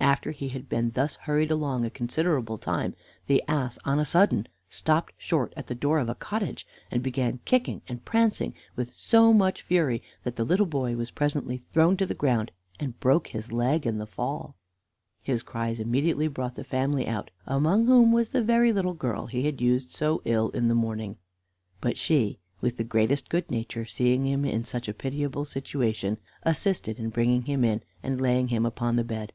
After he had been thus hurried along a considerable time the ass on a sudden stopped short at the door of a cottage, and began kicking and prancing with so much fury that the little boy was presently thrown to the ground, and broke his leg in the fall. His cries immediately brought the family out, among whom was the very little girl he had used so ill in the morning. But she, with the greatest good nature, seeing him in such a pitiable situation, assisted in bringing him in and laying him upon the bed.